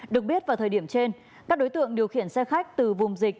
được biết vào thời điểm trên các đối tượng điều khiển xe khách từ vùng dịch